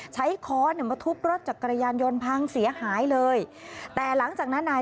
ใช้ค้อนมาทุบรถจากกระยันยนต์พังเสียหายเลย